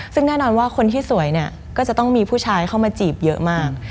ซึ่งแน่นอนว่าคนที่สวยเนี่ยก็จะต้องมีผู้ชายเข้ามาจีบเยอะมาก